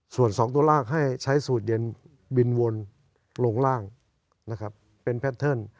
ส่วน๒ตัวล่างให้ใช้สูตรเย็นบินวนลงล่างนะครับเป็นแพทเทิร์น